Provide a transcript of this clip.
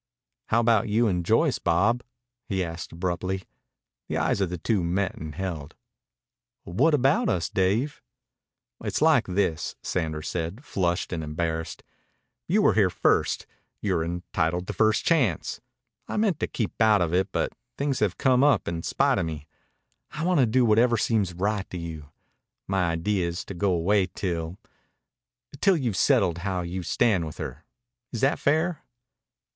"How about you and Joyce, Bob?" he asked abruptly. The eyes of the two met and held. "What about us, Dave?" "It's like this," Sanders said, flushed and embarrassed. "You were here first. You're entitled to first chance. I meant to keep out of it, but things have come up in spite of me. I want to do whatever seems right to you. My idea is to go away till till you've settled how you stand with her. Is that fair?"